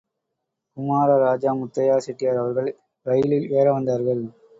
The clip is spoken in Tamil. குமார ராஜா முத்தையா செட்டியார் அவர்கள் இரயிலில் ஏறவந்தார்கள்.